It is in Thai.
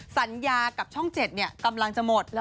สัญญากับช่อง๗กำลังจะหมด